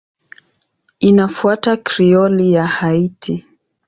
Inafuata Krioli ya Haiti.